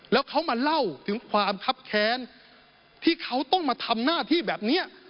แล้วเขามาเล่าถึงความคับแค้นที่เขาต้องมาทำหน้าที่แบบนี้